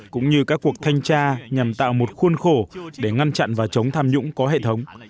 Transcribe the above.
cũng như các cuộc thanh tra nhằm tạo một khuôn khổ để ngăn chặn và chống tham nhũng có hệ thống